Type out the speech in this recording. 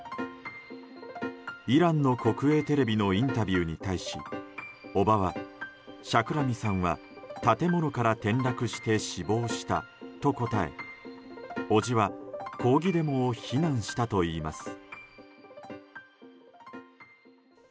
イランの国営テレビのインタビューに対しおばは、シャクラミさんは建物から転落して死亡したと答えおじは、抗議デモを非難したといいます。